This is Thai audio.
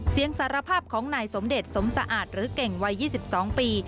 สารภาพของนายสมเดชสมสะอาดหรือเก่งวัย๒๒ปี